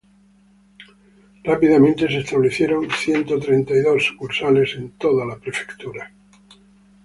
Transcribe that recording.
Rápidamente se establecieron ciento treinta y dos sucursales en toda la prefectura.